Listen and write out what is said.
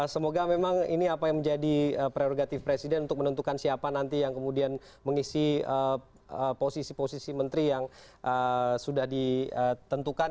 semoga memang ini apa yang menjadi prerogatif presiden untuk menentukan siapa nanti yang kemudian mengisi posisi posisi menteri yang sudah ditentukan